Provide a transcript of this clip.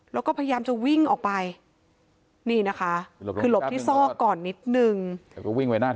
แล้วก็พยายามจะวิ่งออกไปนี่นะคะคือหลบที่ซอกก่อนนิดนึง